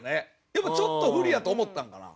でもちょっと不利やと思ったんかな？